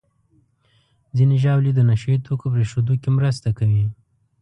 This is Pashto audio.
ځینې ژاولې د نشهیي توکو پرېښودو کې مرسته کوي.